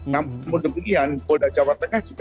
namun kemudian kota jawa tengah juga